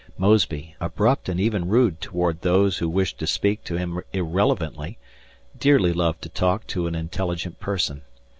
Mosby, abrupt and even rude toward those who wished to speak to him irrelevantly, dearly loved to talk to an intelligent person.